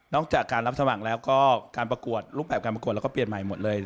จากการรับสมัครแล้วก็การประกวดรูปแบบการประกวดเราก็เปลี่ยนใหม่หมดเลย